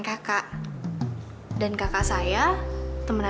kalau kita lewat kantor shout out di religion